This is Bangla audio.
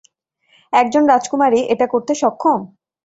একজন রাজকুমারী এটা করতে সক্ষম?